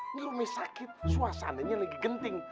ini rumah sakit suasananya lagi genting